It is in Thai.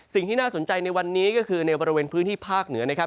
สิ่งที่น่าสนใจในวันนี้ก็คือในบริเวณพื้นที่ภาคเหนือนะครับ